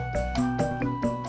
bur cang ijo